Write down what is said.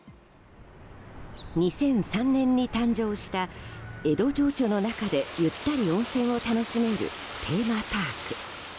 ２００３年に誕生した江戸情緒の中でゆったり温泉を楽しめるテーマパーク。